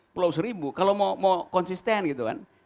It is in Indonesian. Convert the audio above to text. pulau seribu kalau mau konsisten